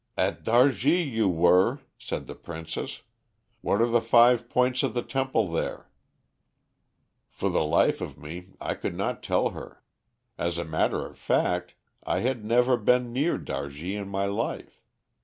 "'At Dargi you were,' said the princess. 'What are the five points of the temple there?' "For the life of me I could not tell her. As a matter of fact, I had never been near Dargi in my life.